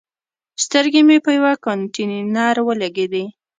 سترګې مې په یوه کانتینر ولګېدې.